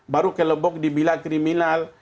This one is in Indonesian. baru kelembok dibilang kriminal